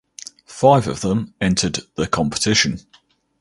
Five of them entered the competition.